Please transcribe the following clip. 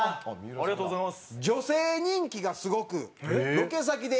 ありがとうございます。